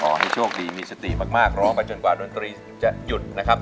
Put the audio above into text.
ขอให้โชคดีมีสติมากร้องไปจนกว่าดนตรีจะหยุดนะครับ